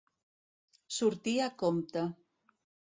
Sortir a compte.